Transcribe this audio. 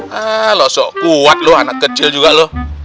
hah lo sok kuat lo anak kecil juga lo